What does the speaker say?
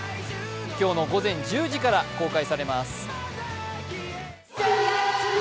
今日の午前１０時から公開されます。